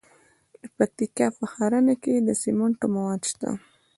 د پکتیکا په ښرنه کې د سمنټو مواد شته.